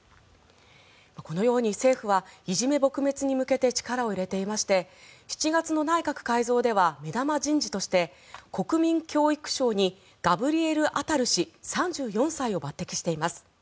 このように政府はいじめ撲滅に向けて力を入れていまして７月の内閣改造では目玉人事として、国民教育相にガブリエル・アタル氏、３４歳を抜てきしています。